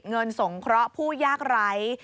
เงินสงเคราะห์ผู้ยากร้าย